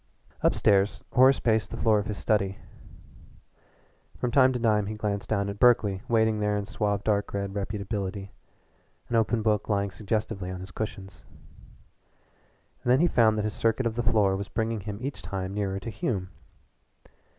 Up stairs Horace paced the floor of his study. From time to time he glanced toward Berkeley waiting there in suave dark red reputability, an open book lying suggestively on his cushions. And then he found that his circuit of the floor was bringing him each time nearer to Hume.